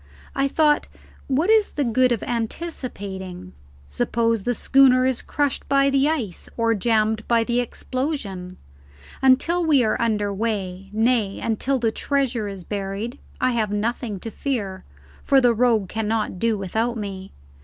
I thought, what is the good of anticipating? Suppose the schooner is crushed by the ice or jammed by the explosion? Until we are under way, nay, until the treasure is buried, I have nothing to fear, for the rogue cannot do without me.